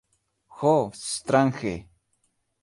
Ho, strange!